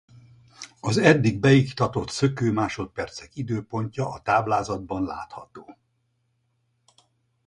Az eddig beiktatott szökőmásodpercek időpontja a táblázatban látható.